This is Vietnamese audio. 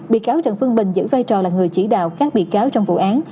bị cáo trần phương bình giữ vai trò là người chỉ đạo các bị cáo trong vụ án